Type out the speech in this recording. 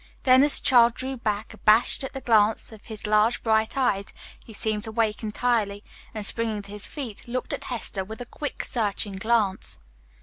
Then, as the child drew back abashed at the glance of his large, bright eyes, he seemed to wake entirely and, springing to his feet, looked at Hester with a quick, searching glance.